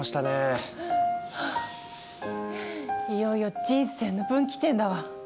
いよいよ人生の分岐点だわ。